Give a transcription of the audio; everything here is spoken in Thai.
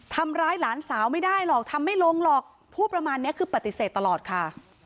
ทำร้ายหลานสาวไม่ได้หรอกทำไม่ลงหรอกพูดประมาณนี้คือปฏิเสธตลอดค่ะ